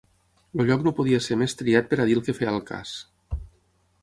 El lloc no podia ser més triat pera dir el que feia el cas.